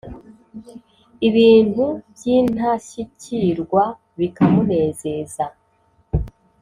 ibintu byintashyikirwa bikamunezeza